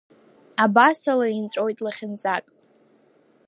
Абасала инҵәоит лахьынҵак…